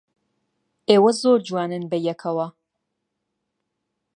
ئێوە زۆر جوانن بەیەکەوە.